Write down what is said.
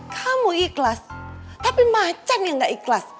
kamu ikhlas tapi macan yang gak ikhlas